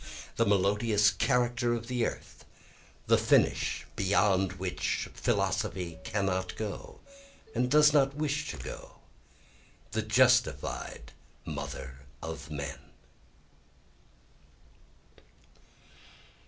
The melodious character of the earth, The finish beyond which philosophy cannot go and does not wish to go, The justified mother of men.